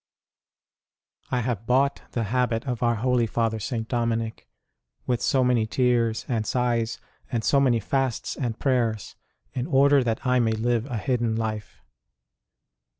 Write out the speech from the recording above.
I have bought the habit of our Holy Father St. Dominic with so many tears and sighs, and so many fasts and prayers, in order that I may live a hidden life.